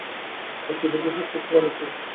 আজকের দিনটা সত্যিই একটা দারুণ দিন।